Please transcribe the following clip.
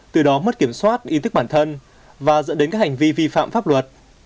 từ đó mất kiểm soát ý thức bản thân và dẫn đến các hành vi vi phạm pháp luật